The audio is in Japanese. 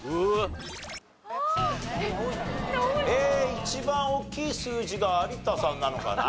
一番大きい数字が有田さんなのかな？